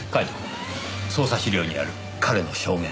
捜査資料にある彼の証言。